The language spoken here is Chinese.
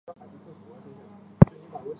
没有接到人员伤亡报告。